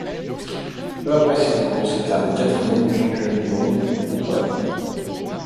Peu après cette course, il termine quatrième du championnat du monde du contre-la-montre.